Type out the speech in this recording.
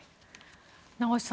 名越さん